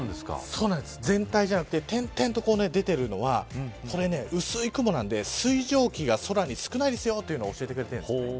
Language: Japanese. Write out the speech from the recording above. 全体じゃなくて点々と出ているのは薄い雲なんで、水蒸気が空に少ないですよというのを教えてくれているんです。